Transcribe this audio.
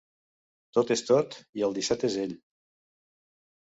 Tot és tot i el disset és ell.